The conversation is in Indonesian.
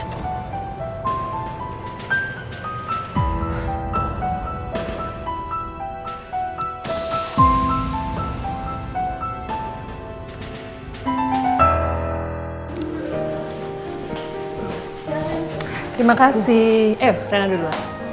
terima kasih eh reina dulu